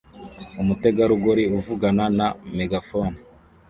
Umutegarugori uvugana na megafone